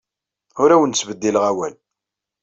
Ur awen-ttbeddileɣ awal.